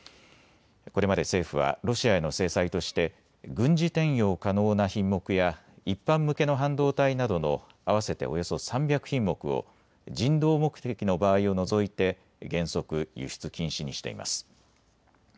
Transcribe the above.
これまで政府はロシアへの制裁として軍事転用可能な品目や一般向けの半導体などの合わせておよそ３００品目を人道目的の場合を除いて原則、輸出禁止にしています。